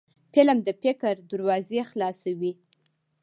فلم د فکر دروازې خلاصوي